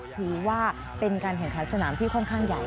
ถือว่าเป็นการแข่งขันสนามที่ค่อนข้างใหญ่